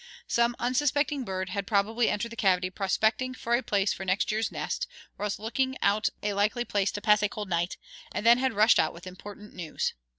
Some unsuspecting bird had probably entered the cavity prospecting for a place for next year's nest, or else looking out a likely place to pass a cold night, and then had rushed out with important news.